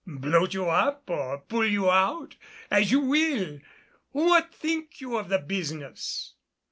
bloat you up or pull you out as you will. What think you of the business?"